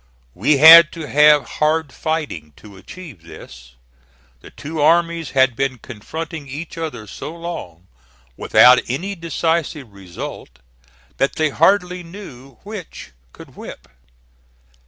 We had to have hard fighting to achieve this. The two armies had been confronting each other so long, without any decisive result, that they hardly knew which could whip.